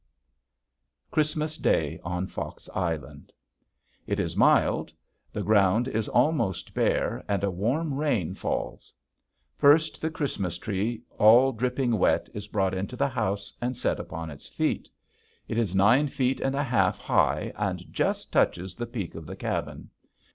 Christmas Day on Fox Island. It is mild; the ground is almost bare and a warm rain falls. First the Christmas tree all dripping wet is brought into the house and set upon its feet. It is nine feet and a half high and just touches the peak of the cabin.